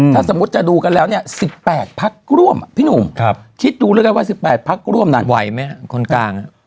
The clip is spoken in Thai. ถ้าสมมุติจะดูกันแล้วเนี่ย๑๘พักร่วมพี่หนุ่มคิดดูแล้วกันว่า๑๘พักร่วมนั้นไหวไหมคนกลาง